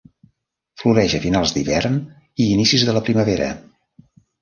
Floreix a finals d'hivern i inicis de la primavera.